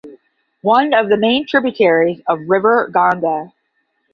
One of the main tributaries of river Ganga.